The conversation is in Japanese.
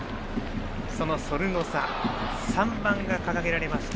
そのソルノサ３番が掲げられました。